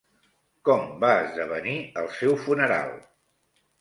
Com va esdevenir el seu funeral?